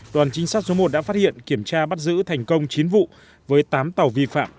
đoàn trinh sát số một đã phát hiện kiểm tra bắt giữ thành công chín vụ với tám tàu vi phạm